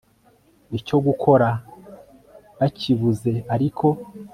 icyo gukora bakibuze Ariko